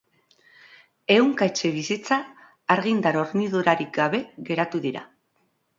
Ehunka etxebizitza argindar-hornidurarik gabe geratu dira.